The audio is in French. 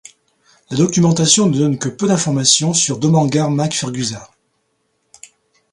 La documentation ne donne que peu d'informations sur Domangart mac Fergusa.